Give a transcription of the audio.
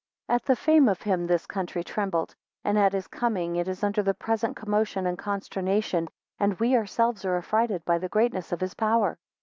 12 At the fame of him this country trembled, and at his coming it is under the present commotion and consternation, and we ourselves are afrighted by the greatness of his power.